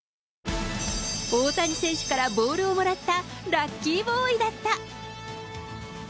大谷選手からボールをもらったラッキーボーイだった。